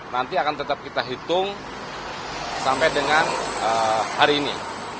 nanti akan tetap kita hitung sampai dengan hari ini